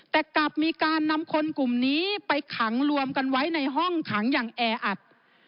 แต่กลับมีการนำคนกลุ่มนี้ไปขังรวมกันไว้ในห้องขังอย่างแออัด